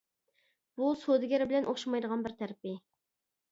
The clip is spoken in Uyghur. بۇ سودىگەر بىلەن ئوخشىمايدىغان بىر تەرىپى.